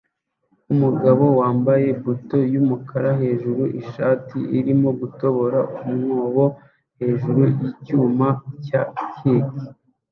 Umugabo wambaye buto yumukara hejuru ishati arimo gutobora umwobo hejuru yicyuma cya keg